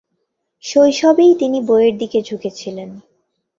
শৈশবেই তিনি বইয়ের দিকে ঝুঁকে ছিলেন।